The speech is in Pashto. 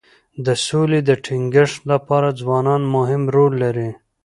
د سولي د ټینګښت لپاره ځوانان مهم رول لري.